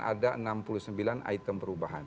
ada enam puluh sembilan item perubahan